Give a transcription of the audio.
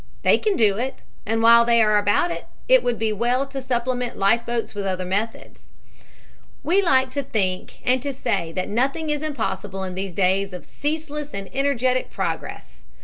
They can do it, and while they are about it, it would be well to supplement life boats with other methods. We like to think and to say that nothing is impossible in these days of ceaseless and energetic progress.